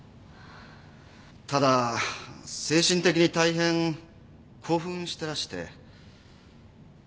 ただ精神的に大変興奮してらして。